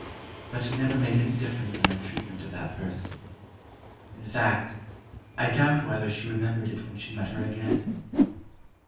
But it never made any difference in her treatment of that person. In fact, I doubt whether she remembered it when she met her again.